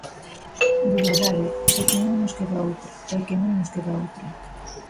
De verdade, é que non nos queda outra, é que non nos queda outra.